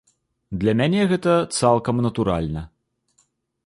Для мяне гэта цалкам натуральна.